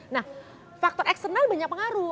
nah faktor eksternal banyak pengaruh